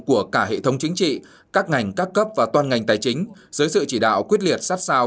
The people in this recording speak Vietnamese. của cả hệ thống chính trị các ngành các cấp và toàn ngành tài chính dưới sự chỉ đạo quyết liệt sát sao